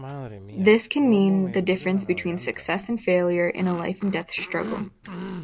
This can mean the difference between success and failure in a life-and-death struggle.